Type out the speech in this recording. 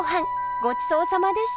ごちそうさまでした！